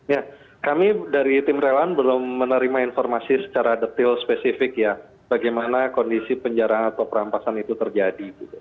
ya kami dari tim relawan belum menerima informasi secara detail spesifik ya bagaimana kondisi penjarahan atau perampasan itu terjadi